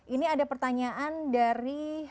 ini ada pertanyaan dari